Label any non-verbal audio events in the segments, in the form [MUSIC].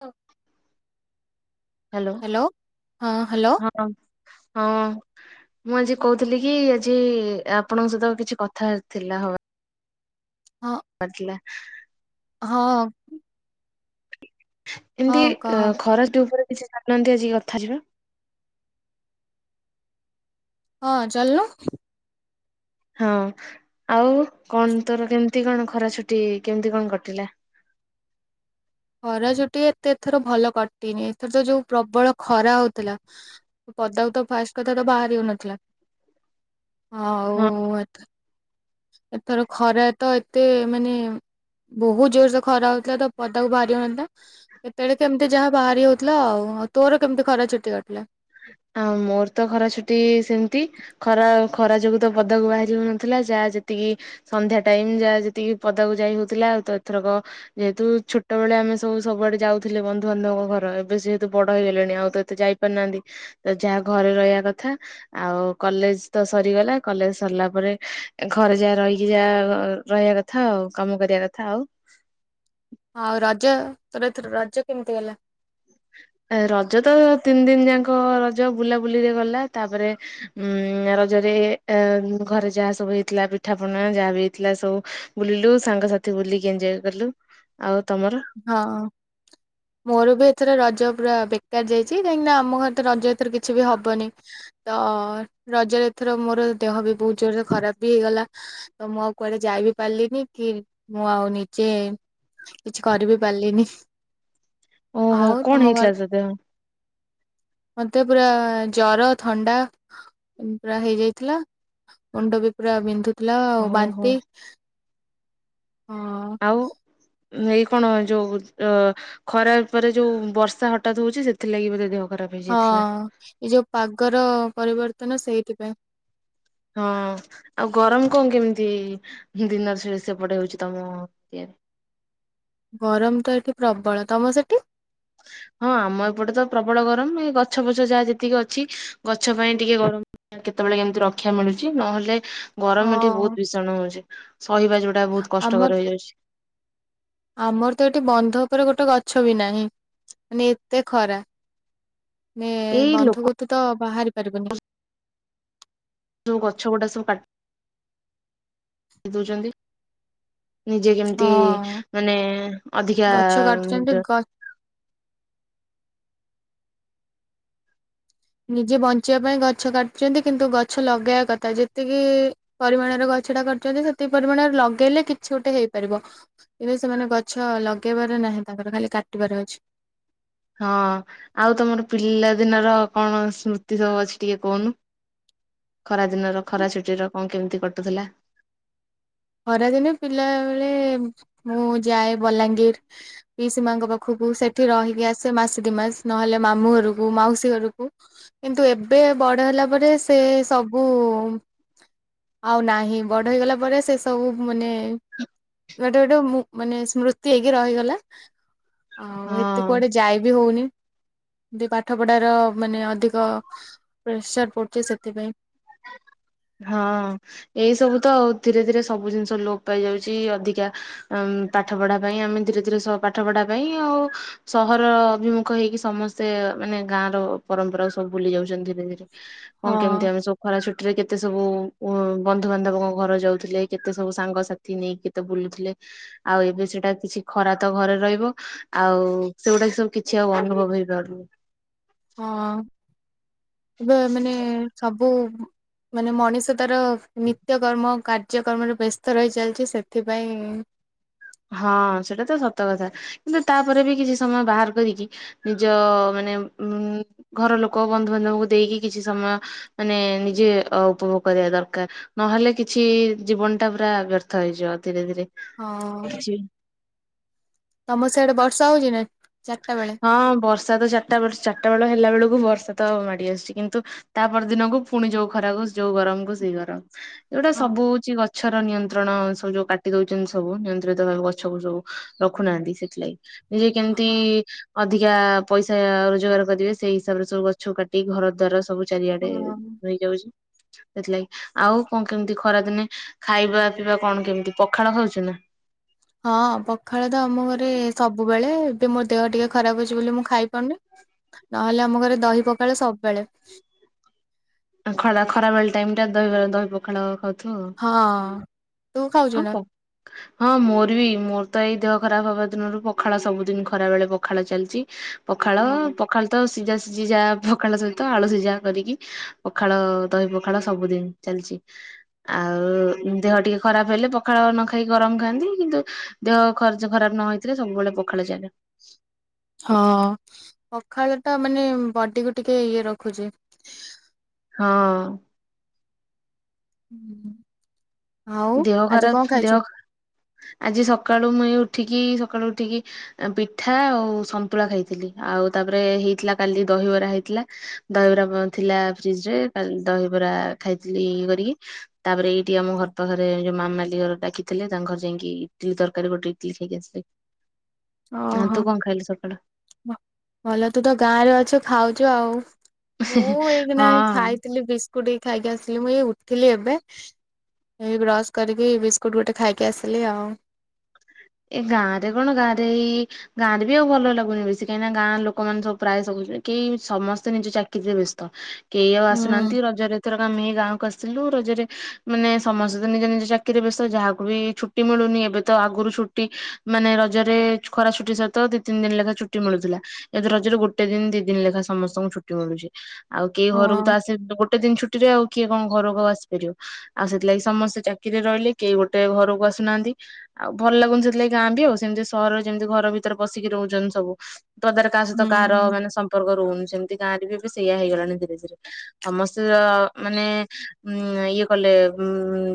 ହଁ। Hello hello ହଁ hello. ହଁ ହଁ ମୁଁ ଆଜି କହୁଥିଲି କି ଆଜି ଏ ଆପଣଙ୍କ ସହିତ କିଛି କଥା ଥିଲା ହବା ହଁ ର ଥିଲା। ହଁ। [UNINTELLIGIBLE] ଏମ୍ ତି ହଁ କହ ଅ ଖରାଟି ଉପରେ କିଛି ଚାଲୁନାହାନ୍ତି ଆଜିି କଥା ହେଇ ଯିବା। ହଁ ଚାଲୁନ। ହଁ ଆଉ କଣ ତୋର କେମିତି କଣ ଖରା ଛୁଟି କେମିତି କଣ କଟିଲା? ଖରା ଛୁଟି ଏତେ ଏଥର ଭଲ କଟିନି। ଏଥର ତ ଯୋଉ ପ୍ରବଳ ଖରା ହଉଥିଲା, ପଦାକୁ ତ ଫାଷ୍ଟ କଥା ତ ବାହାରି ହଉନଥିଲା। ହ ହଁ ଆଉ ଆ ଏଥର ଖରା ତ ଏତେ ମାନେ ବହୁତ ଜୋର ସେ ଖରା ହଉଥିଲା ତ ପଦାକୁ ବାହାରି ହଉନଥିଲା। କେତେବେଳେ କେମିତି ଯାହା ବାହାରି ହଉଥିଲା ଆଉ ତୋର କେମିତି ଖରା ଛୁଟି କଟିଲା? ଆଉ ମୋର ତ ଖରା ଛୁଟି ସେମିତି ଖରା ଆଉ ଖରା ଯୋଗୁ ତ ପଦାକୁ ବାହାରି ହଉନଥିଲା। ଯାହା ଯେତିକି ସନ୍ଧ୍ୟା ଟାଇମ ଯାହା ଯେତିକି ପଦାକୁ ଯାଇ ହଉଥିଲା ଆଉ ତ ଏଥରକ ଯେହେତୁ ଛୋଟ ବେଳେ ଆମେ ସବୁ ସବୁଆଡେ ଯାଉଥିଲେ ବନ୍ଧୁବାନ୍ଧବଙ୍କ ଘର ଏବେ ସେହେତୁ ବଡ ହେଇଗଲେଣି ଆଉ ତ ଏତେ ଯାଇପାରୁନାହାନ୍ତି। ତ ଯାହା ଘରେ ରହିବା କଥା ଆଉ କଲେଜ ତ ସରିଗଲା କଲେଜ ସରିଲା ପରେ ଘରେ ଯାହା ରହିକି ଯାହା ରହିବା କଥା ଆଉ କାମ କରିବା କଥା ଆଉ। ହଁ ରଜ ତର ଏଥର ରଜ କେମିତି ଗଲା? ରଜ ତ ତିନି ଦିନ ଯାକ ରଜ ବୁଲାବୁଲିରେ ଗଲା। ତାପରେ ଉଁ ରଜରେ ଏ ଘରେ ଯାହା ସବୁ ହେଇଥିଲା ପିଠା ପଣା ଯାହା ବି ହେଇଥିଲା ସବୁ ବୁଲିଲୁ ସାଙ୍ଗସାଥି ବୁଲିକି ଏଞଜୟ କଲୁ। ଆଉ ତମର? ହଁ ମୋର ବି ଏଥିରେ ରଜ ପୁରା ବେକାର ଯାଇଚି କାହିଁକିନା ଆମ ଘରେ ତ ରଜ ଏଥର କିଛି ବି ହବନି। ତ ରଜରେ ଏଥର ମୋର ଦେହ ବି ବହୁତ ଜୋରରେ ଖରାପ ବି ହେଇଗଲା। ତ ମୁଁ ଆଉ କୁଆଡେ ଯାଇ ବିି ପାରିଲିନି କି ମୁଁ ଆଉ ନିଜେ କିଛି କରିିବି ପାରିଲିନି। ଓହୋ ଆଉ କଣ ତମ ଘର ହେଇଥିଲା ତ ଦେହ? ମତେ ପୁରା ଜର ଥଣ୍ଡା ପୁରା ହେଇଯାଇଥିଲା। ମୁଣ୍ଡ ବି ପୁରା ବିନ୍ଧୁ ହେଲା ଓହୋ। ବାନ୍ତି। ହଁ। ଆଉ ଏଇ କଣ ଯୋଉ ଅ ଖରା ଉପରେ ଯୋଉ ବର୍ଷା ହଠାତ୍ ହଉଚି ସେଥିଲାଗି ବୋଧେ ଦେହ ଖରାପ ହେଇଯାଇଥିଲା। ହଁ ଏ ଯୋଉ ପାଗର ପରିବର୍ତ୍ତନ ସେଇଥିପା ହୁଁ। ହଁ ଆଉ ଗରମ କଣ କେମିତି ଦିନରେ ସେ ସେପଟେ ହଉଚି ତମ ୟେ ରେ? ଗରମ ତ ଏଠି ପ୍ରବଳ ତମର ସେଠି? ହଁ ଆମ ଏପଟେ ତ ପ୍ରବଳ ଗରମ ଏ ଗଛ ପଛ ଯାହା ଯେତିକି ଅଛି ଗଛ ପାଇଁ ଟିକେ ଗରମ କେତେବେଳେ କେମିତି ରକ୍ଷା ମିଳୁଛି ନହେଲେ ଗରମ ଏଠି ହଁ ବହୁତ ଭୀଷଣ ହଉଚି। ସହିବା ଯଉଟା ବହୁତ ଆମ କଷ୍ଟକର ହେଇଯାଉଚି। ଆମର ତ ଏଠି ବନ୍ଧ ଉପରେ ଗୋଟେ ଗଛ ବି ନାହିଁ ନି ଏତେ ଖରା। ମ ଏଇ ଲୋକ ବନ୍ଧକ ତ ତ ବାହାରି- ପାରିବନି। ସୁ ଗଛ ଗୋଟୋ ସବୁ କାଟ ଦଉଚନ୍ତି। ନିଜେ କେମିତି ହଁ ମାନେ ଅଧିକା ଗଛ କାଟୁଛନ୍ତି ଗ ନିଜେ ବଞ୍ଚିବା ପାଇଁ ଗଛ କାଟୁଛନ୍ତି କିନ୍ତୁ ଗଛ ଲଗେଇବା କଥା ଯେତିକି ପରିମାଣର ଗଛଟା କଟୁଛନ୍ତି ସେତିକି ପରିମାଣରେ ଲଗେଇଲେ କିଛି ଗୋଟେ ହେଇପାରିବ କିନ୍ତୁ ସେମାନେ ଗଛ ଲଗେଇବାର ନାହିଁ ତାଙ୍କର ଖାଲି କାଟିବାର ଅଛି। ହଁ ଆଉ ତମର ପିଲା ଦିନର କଣ ସ୍ମୃତି ସବୁ ଅଛି ଟିକେ କହୁନୁ ଖରା ଦିନର ଖରା ଛୁଟିର କଣ କେମିତି କଟୁଥିଲା? ଖରାଦିନେ ପିଲାବେେଳେ ମୁଁ ଯାଏ ବଲାଙ୍ଗୀର ପିଇ ସ ମାଙ୍କ ପାଖକୁ ସେଠି ରହିକି ଆସେ ମାସେ ଦି ମାସ ନହେଲେ ମାମୁଁ ଘରକୁ ମାଉସୀ ଘରକୁ କିନ୍ତୁ ଏବେ ବଡ ହେଲା ପରେ ସେ ସବୁ ଆଉ ନାହିଁ ବଡ ହେଇଗଲା ପରେ ସେ ସବୁ ମାନେ ଗୋଟେ ଗୋଟେ ମାନେ ସ୍ମୃତି ହେଇକି ରହିଗଲା। ଆଉ ଏତେ ହଁ। କୁଆଡେ ଯାଇବି ହଉନି। ଦେ ପାଠ ପଢାର ମାନେ ଅଧିକ ପ୍ରେସର ପଡ଼ୁଚି ସେଥିପାଇଁ। ହଁ ଏଇ ସବୁ ତ ଆଉ ଧୀରେ ଧୀରେ ସବୁ ଜିନିଷ ଲୋପ ପାଇ ଯାଉଚି ଅଧିକା ଉଁ ପାଠ ପଢ଼ା ପାଇଁ ଆମେ ଧୀରେ ଧୀରେ ସ ପାଠ ପଢା ପାଇଁ ଆଉ ସହର ଅଭିମୁଖ ହେଇକି ସମସ୍ତେ ମାନେ ଗାଁର ପରମ୍ପରା ସବୁ ଭୁଲି ଯାଉଚନ୍ତି ଧୀରେ ଧୀରେ। କଁ ହଁ କେମିତି ଆମେ ସବୁ ଖରା ଛୁଟିରେ କେତେ ସବୁ ଉଁ ବନ୍ଧୁବାନ୍ଧବଙ୍କ ଘର ଯାଉଥୁଲେ କେତେ ସବୁ ସାଙ୍ଗସାଥି ନେଇକି କେତେ ବୁଲୁଥୁଲେ ଆଉ ଏବେ ସେଟା କିଛି ଖରା ତ ଘରେ ରହିବ ଆଉ ସେଡ଼ାକି ସବୁ କିଛି ଆଉ ଅନୁଭବ ହେଇ ପାରୁନି। ହଁ। ଏବେ ମାନେ ସ ସବୁ ମାନେ ମଣିଷ ତାର ନିତ୍ୟକର୍ମ କା ର୍ଯ୍ୟକ୍ରମରେ ବ୍ୟସ୍ତ ରହି ଚାଲିଚି ସେଥିପାଇଁ ହଁ ସେଇଟା ତ ସତ କଥା କିନ୍ତୁ ତାପରେ ବି କିଛି ସମୟ ବାହାର କରିକି ନିଜ ମାନେ ଉଁ ଘର ଲୋକ ବନ୍ଧୁବାନ୍ଧବଙ୍କୁ ଦେଇକି କିଛି ସମୟ ମାନେ ନିଜେ ଅ ଉପଭୋଗ କରିବା ଦରକାର ନହେଲେ କିଛି ଜୀବନଟା ପୁରା ବ୍ୟର୍ଥ ହେଇଯିବ ଧୀରେ ଧୀରେ। ହଁ। କିଛି ତମ ସେଆଡ଼େ ବର୍ଷା ହୋଉଚି ନା? ଚାରିଟା ବେଳେ? ହଁ ବର୍ଷା ତ ଚାରଟା ବର୍ଷ ଚାରଟା ବେଳ ହେଲା ବେଳୁକୁ ବର୍ ଷା ତ ମାଡ଼ି ଆସୁଚି କିନ୍ତୁ ତା ପର ଦିନକୁ ଫୁଣି ଯୋଉ ଖରାକୁ ଯୋଉ ଗରମକୁ ସେଇ ଗରମ। ଯୋଉଟା ହଁ ସବୁ ହୋଉଚି ଗ ଓଛର ନିୟନ୍ତ୍ରଣ ସବୁ ଯୋଉ କାଟି ଦୋଉଚନ୍ତି ସବୁ ନିୟନ୍ତ୍ରିତ ଭାବେ ଗଛକୁ ସବୁ ରଖୁନାହାନ୍ତି ସେଥିଲାଗି। ନିରେ ତି ହଁ। ଅ ଅଧିକା ପଇସା ରୋଜଗାର କରିବେ ସେଇ ହିସାବରେ ସବୁ ଗଛକୁ କାଟି ଘର ଦ୍ୱାର ସବୁ ଚାରିଆଡ଼େ ହଁ। ଧୋଇ ଯାଉଚି ସେଥିଲାଗି ଆଉ କଁ କେମତି ଖରାଦିନେ ଖାଇବା ପିଇବା କଣ କେମତି ପଖାଳ ଖାଉଚ ନାଁ? ହଁ ପଖାଳ ତ ଆମ ଘରେ ସ ବୁବେଳେ ଏବେ ମୋର ଦେହ ଟିକେ ଖରାପ ଅଛି ବୋଲି ମୁଁ ଖାଇପାରୁନି ନହେଲେ ଆମ ଘରେ ଦହି ପକାଳ ସବୁବେଳେ ଖଳା ଖରା ବେଳେ ଟାଇମଟା ଦହିବରା ଦହି ପଖାଳ ଖାଉ ହଁ। ତୁ ଖାଉଛୁ ଆଉ ନା ପ ହଁ ମୋର ବି ମୋର ତ ଏଇ ଦେହ ଖରାପ ହବା ଦିନରୁ ପଖାଳ ସବୁଦିନ ଖରା ବେଳେ ପଖାଳ ଚାଲିଚି। ପଖାଳ ହଁ ପଖାଳ ତ ସିଜି ସି ସିଏ ଯା ପଖାଳ ସହିତ ଆଳୁ ସିଜା କରିକି ପଖାଳ ଦହି ପଖାଳ ସବୁଦିନ ଚାଲଚି। ଆଉ ଦେହ ଟିକେ ଖରାପ ହେଲେ ପଖାଳ ନ ଖାଇକି ଗରମ ଖାଆନ୍ତି କିନ୍ତୁ ଦେହ ଖର୍ଚ୍ଚ ଖରାପ ନହେଇଥିଲେ ସବୁବେଳେ ପଖାଳ ଚାଲେ। ହଁ ପଖାଳଟା ମାନେ ବଡିକୁୁ ଟିକେ ଇଏ ରଖୁଚି। ହଁ। ହୁଁ। ଦେହ ଖରାପ ଦେହ ଆଜି ସକାଳୁ ମୁ ଏଇ ଉ ଠିକି ସକାଳୁ ଉଠିକି ପିଠା ଆଉ ସନ୍ତୁଳା ଖାଇଥିଲି। ଆଉ ତାପରେ ହେଇଥିଲା କାଲି ଦହିବରା ହେଇଥିଲା ଦହିବରା ବ ଥିଲା ଫ୍ରିଜରେ କାଲି ଦହିବରା ଖାଇଥିଲି ଇଏ କରିକି ତାପରେ ଏଇଠି ଆମ ଘ ତ ଘରେ ଯୋଉ ମାମାଲି ଘର ଡାକିଥିଲେ ତାଙ୍କ ଘର ଯାଇଁକି ଇଟିଲି ତରକାରୀ ଗୋଟେ ଇଟିଲି ଖାଇକି ଆସଥିଲି। ଆଁ ଓହୋ। ତୁ କଣ ଖାଇଲୁ ସକାଳୁ? ଭଲ ତୁ ତ ଗାଁ ରେ ଅଛୁ ଖାଉଛୁ ଆଉ ମୁଁ ଏଇକିନା ହଁ। ଖାଇଥିଲି ବିଶ ବିସ୍କୁଟ ଖାଇକି ଆସିଲି ମୁଁ ଉଠିଲି ଏବେ ଏ ବ୍ରସ୍ କରିକି ବିସ୍କୁଟ ଗୋଟେ ଖାଇକି ଆସିଲି ଆଉ ଏ ଗାଁ ରେ କଣ ଗାଁ ରେ ଏଇ ଗାଁ ରେ ବି ଆଉ ଭଲ ଲାଗୁନି ବେଶୀ କାହିଁକି ନା ଗାଁ ଲୋକମାନେ ସବୁ ପ୍ରାୟ ସବୁ କେହି ସମସ୍ତେ ନିଜ ଚାକିରିରେ ବ୍ୟସ୍ତ, କେହି ଆଉ ହୁଁ ଆସୁନାହାନ୍ତି ରଜରେଥର ଆମେ ଗାଁକୁ ଆସି ଆସିଲୁ ରଜରେ ମାନେ ସମସ୍ତେ ତ ନିଜ ନିଜ ଚାକିରିରେ ବ୍ୟସ୍ତ ଯାହାକୁ ବି ଛୁଟି ମିଳୁନି ଏବେ ତ ଆଗରୁଛୁ ଛୁଟି ମାନେ ରଜରେ ଖରା ଛୁଟି ସହିତ ଦି ତିନ ଦିନ ଲେଖା ଛୁଟି ମିଳୁଥିଲା ଯେହେୁ ରଜରେ ଗୋଟେ ଦିନ ଦି ଦିନ ଲେଖା ସମସ୍ତଙ୍କୁ ଛୁଟି ମିଳୁଛି ଆଉ କେହି ହଁ ଘରକୁ ତ ଆସିବ ଗୋଟେ ଗୋଟେ ଦିନ ଛୁଟିରେ ଆଉ କିଏ କଣ ଘରକୁ ଆସିପାରିବ ଆଉ ସେଥିଲାଗି ସମସ୍ତେ ଚାକିରିରେ ରହିଲେ କେହି ଗୋଟେ ଘରକୁ ଆସୁନାହାନ୍ତି ଆଉ ଭଲ ଲାଗୁନି ଗାଁ ବି ଆଉ ସେମିତି ସହର ଯେମିତି ଘର ଭିତରେ ବସିକି ରହୁଛନ୍ତି ସବୁ ତଦାର କା ସହିତାହାର ହୁଁ। ମାନେ ସମ୍ପର୍କ ରହୁନି- ସେମିତି ଗାଁ ରେ ବି ଏବେ ସେଇୟଆ ହେଇଗଲାଣି ଧୀରେ ଧୀରେ ସମସ୍ତେ ମାନେ ଉଁ ଇଏ କଲେ ଉ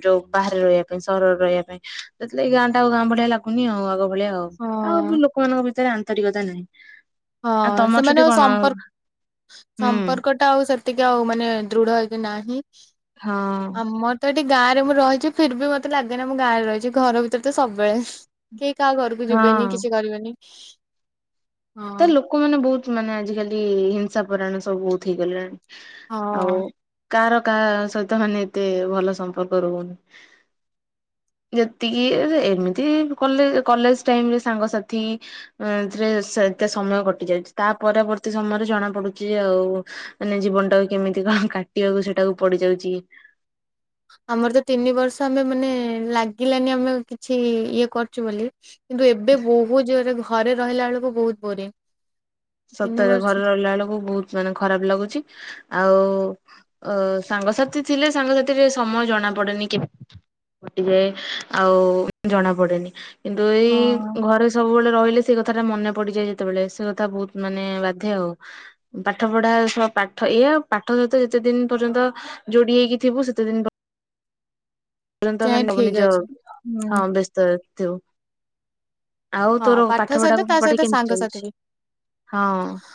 ଯୋଉ ବାହାରେ ରହିବା ପାଇଁ ସହରରେ ରହିବା ପାଇଁ ଯେତେବେଳେ ଏ ଗାଁ ଟା ଆଉ ଗାଁ ଭଳିିଆ ଲାଗୁ ଗୁନି ଆଉ ଆଗ ଭଳିଆ ହଁ ଆଉ ବି ଲୋକମାନଙ୍କ ଭିତରେ ଆନ୍ତରିକ ନାଇଁ ହଁ ସେମାନେ ଆଉ ସମ୍ପର୍କ ହୁଁ ସମ୍ପର୍କ ଟା ଆଉ ସେତିକି ଆଉ ମାନେ ଦୃଢ ହେଇକି ନାହିଁ। ହଁ ଆମର ତ ଏ ଠି ଗାଁରେ ମୁଁ ରହିଛି ଫିର ବି ମତେ ଲାଗେନା ମୁଁ ଗାଁରେ ରହିଛି ଘର ଭିତରେ ତ ସବୁବେଳେ କି କାହା ଘରକୁ ଯିବେନି ହଁ। କିଛି କରିବେନି। [INAUDIBLE] ତ ଲୋକମାନୋନେ ବହୁତ ମାନେ ଆଜିକାଲି, ବଷା ପରାୟଣ ସବୁ ବହୁତ ହେଇଗଲାଣି, ହଁ କାହାର କାହା ସହିତ ମାନେ ଏତେ ଭଲ ସମ୍ପର୍କ ରହୁନି ଯେତିକି ଏମିତିଲେ କଲେଜ ଟାଇମରେ ସାଙ୍ଗସାଥିରେ ଏତେ ସମୟ କଟି ଯାଉଛି ତା ପରବର୍ତ୍ତୀ ସମୟରେ ଜଣା ପଡୁଛି ଯେ ଆଉ ମାନେ ଜୀବନ ଟାକୁ କେମିତି କଣ କାଟିବାକୁ ସେଟାକୁ ପଡିଯାଉଛି। ଆମର ତ ତିନି ବର୍ଷ ଆମେ ମାନେ ଲାଗିଲାନି ଆମେ କିଛି ଇଏ କରୁଛୁ ବୋଲି କିନ୍ତୁ ଏବେ ବହୁତ ଜୋରେ ଭୋ ଘରେ ରହିଲା ବେଳକୁ ବହୁତ ବୋରିଂ। ତିନି ସତରେ ବର୍ଷ ଘରେ ରହିଲା ବେଳକୁ ବହୁତ ମାନେ ଖରାପ ଲାଗୁଛି ଆଉ ସାଙ୍ଗସାଥି ଥିଲେ ସାଙ୍ଗସାଥିରେ ସମୟ ଜଣା ପଡେନି କେମିତି କଟିଯାଏ ଆଉ ଜଣାପଡେନି କିନ୍ତୁ ଏଇ ହଁ ଘରେ ସବୁବେଳେ ରହିଲେ ସେ କ କଥାଟା ମନେ ପଡିଯାଏ ଯେତେବେଳେ ସେ କଥା ବହୁତ ମାନେ ବାଧେ ଆଉ ପାଠ ପଢା ସହ ପାଠ ଏ ଆଉ ପାଠ ସହିତ ଯେତେ ଦିନ ପର୍ଯ୍ୟନ୍ତ ଯୋଡି ହେଇକି ଥିବୁ ସେତେ ଦିନ ପ ତୁରନ୍ତ ଯାଏ ମାନେ ତମ ଠିକ ନିଜ ଅଛି ହଁ ହୁଁ ବ୍ୟସ୍ତରେ ତୁ ହଁ ପାଠ ସହିତ ତା ସହିତ କେମିତି ସାଙ୍ଗସାଥି ଚାଲିଛି? ବି ହଁ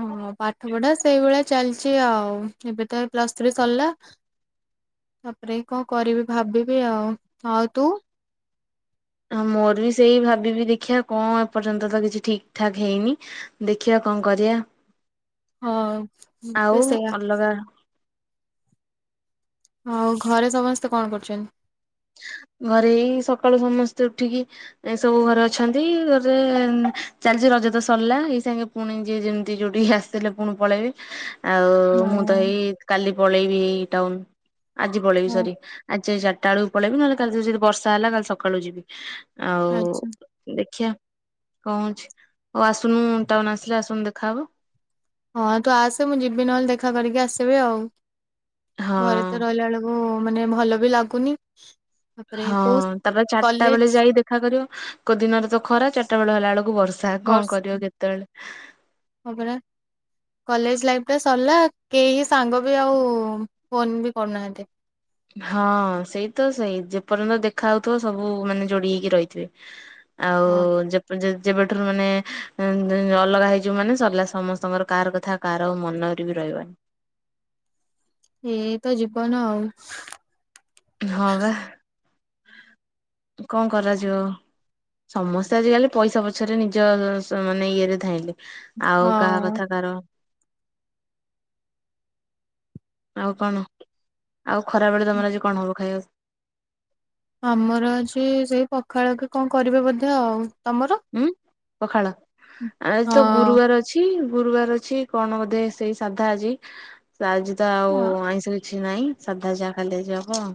ହଁ ପାଠପଢା ସେଇ ଭଳିଆ ଚାଲଛି ଆଉ ଏବେ ତ ଏଇ ପ୍ଲସ୍ ଥ୍ରୀ ସରିଲା ତାପରେ କଣ କରିବି ଭାବିବି ଆଉ ଆଉ ତୁ? ହଁ ମୋର ବି ସେଇ ଭାବିବି ଦେଖିବା କଣ ଏପର୍ଯ୍ୟନ୍ତ ତ କିଛି ଠିକ୍ ଠାକ୍ ହେଇନି ଦେଖିବା କଣ କରିବା। ହଁ ମୁଁ ଆଉ ବି ସେଇୟା। ଅଲଗା ଆଉ ଘରେ ସମସ୍ତେ କଣ କରୁଛନ୍ତି? ଘରେ ଏଇ ସକାଳୁ ସମସ୍ତେ ଉଠିକି ସବୁ ଘରେ ଅଛନ୍ତି ଘରେ ଚାଲିଛି ରଜ ତ ସରିଲା ଏଇ ସାଙ୍ଗେ ପୁଣି ଯିଏ ଯେମିତି ଯୋଉଠିକି ଆସିଥିଲେ ପୁଣି ପଳେଇବେ। ଆଉ ମୁଁ ତ ହଁ ଏଇ କାଲି ପଳେଇବି ଏଇ ଟାଉନ୍। ଆଜି ପଳେଇବି ହଁ ସରି ଆଜି ଚା କାଳୁ ପଳେଇବି ନହେଲେ କାଲି ଯଦି ବର୍ଷା ହେଲା କାଲି ସକାଳୁ ଯିବି ଆଉ ଆଚ୍ଛା। ଦେଖିବା କଣ ହଉଛି ଆଉ ଆସୁନୁ ଟାଉନ୍ ଆସିଲେ ଆସନୁ ଦେଖା ହବ। ହଁ ତୁ ଆସେ ମୁଁ ଜିବି ନହେଲେ ଦେଖା କରିକି ଆସିବି ଆଉ। ହଁ ଘରେ ତ ରହିଲା ବେଳକୁ ମାନେ ଭଲ ବି ଲାଗୁନି ତାପରେ ହଁ କୋଉ ତାପରେ ଚାରିଟା ବେଳେ କଲେଜ ଯାଇ ଦେଖା କରିବ କୋଉ ଦିନର ତ ଖରା ଚାରିଟା ବେଳ ହେଲା ବେଳକୁ ବର୍ଷା। ର୍ଷା କଣ ବର୍ଷ କରିବ କେତେବେଳେ। କଲେଜ୍ ଲାଇଫ୍ ଟା ସରିଲା କେହି ସାଙ୍ଗ ବି ଆଉ ଫୋନ୍ ବି କରୁନାହାନ୍ତି। ହଁ ସେଇ ତ ସେଇ ଯେପର୍ଯ୍ୟନ୍ତ ଦେଖା ହଉଥିବ ସବୁ ମାନେ ଯୋଡି ହେଇକି ରହିଥିବେ। ଆଉ ହଁ ଯେପର୍ଯ ଯେବେ ଠାରୁ ମାନେ ଅଲଗା ହେଇଯିବ ମାନେ ସରିଲା ସମସ୍ତଙ୍କର କାହାର କଥା କାହାର ଆଉ ମନରେ ବି ରହିବନି। ଏଇତ ଜୀବନ ଆଉ। ହଁ ବା କଣ କରାଯିବ ସମସ୍ତେ ଆଜିକାଲି ପଇସା ପଛରେ ନିଜ ମାନେ ଇଏରେ ଧାଇଁଲେ। ଆଉ କାହା ହଁ। କଥା କାହାର ଆଉ କଣ? ଆଉ ଖରା ବେଳେ ତମର ଆଜି କଣ ହବ ଖାଇବାକୁ? ଆମର ଆଜି ସେଇ ପଖାଳ କି କଣ କରିବେ ବୋଧେ? ଧେ ଆଉ। ତମର? ଉଁ ପଖାଳ। ଆଜି ତ ହଁ ଗୁରୁବାର ଅଛି। ଗୁରୁବାର ଅଛି କଣ ବୋଧେ ସେଇ ସାଧା ଆଜି। ଆଜି ତ ତ ଆଉ ହଁ, ଆଇଁଷ କି କିଛି ନାଇଁ ସାଧା ଯାହା ଖାଲି ଆଜି ହବ ଆଉ।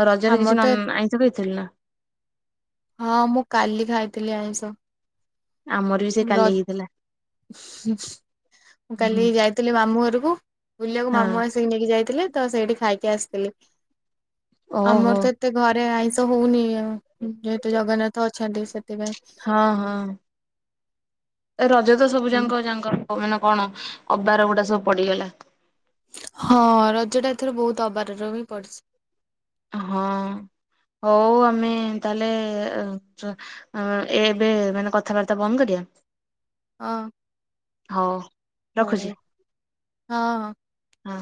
ଆଉ ରଜରେ ଆମର କିଛି ତ ନନ୍ ଆଇଁଷ ଖାଇଥିଲୁ ନା? ହଁ ମୁଁ କାଲି ଖାଇଥିଲି ଆଇଁଷ। ଆମର ବି ସେ କାଲି ରଜ୍ ହେଇଥିଲା। ମୁଁ କାଲି ଯାଇଥିଲି ମାମୁଁ ଘରକୁ ବୁଲିବାକୁ ମାମୁଁ ହଁ ଆସିକି ନେଇକି ଯାଇଥିଲେ। ତ ସେଇଠି ଖାଇକି ଆସିଥିଲି। ଓହୋ। ଆମର ତ ଏତେ ଘରେ ଆଇଁଷ ହଉନି ଆ ଯେହେତୁ ଜଗନ୍ନାଥ ଅ ଛାଡ଼ିଚି ସେ ହଁ ହଁ। ଏ ରଜ ତ ସବୁ ଯାକ ଯାଙ୍କର ହଉ ମାନେ କଣ ଅବାର ଗୁଡା ସବୁ ପଡିଗଲା। ହଁ ରଜ ଟା ଏଥର ବହୁତ ଅବାରର ହିଁ ପଡିଚି। ହଁ ହଉ ଆମେ ତାହଲେ ଅ-ଅ ଏବେ ମାନେ କଥାବାର୍ତ୍ତା ବନ୍ଦ କରିବା? ହଁ। ହଁ। ହଁ ହଁ। ହଁ।